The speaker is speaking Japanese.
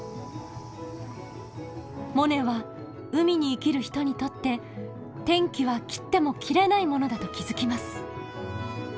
モネは海に生きる人にとって天気は切っても切れないものだと気付きます。